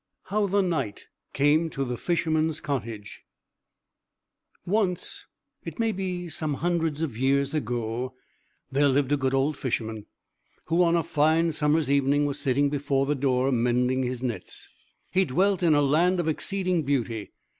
HOW THE KNIGHT CAME TO THE FISHERMAN'S COTTAGE Once it may be some hundreds of years ago there lived a good old Fisherman, who, on a fine summer's evening, was sitting before the door mending his nets. He dwelt in a land of exceeding beauty.